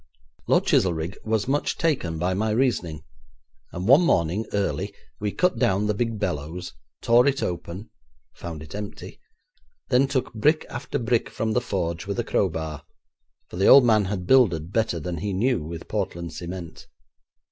Lord Chizelrigg was much taken by my reasoning, and one morning early we cut down the big bellows, tore it open, found it empty, then took brick after brick from the forge with a crowbar, for the old man had builded better than he knew with Portland cement.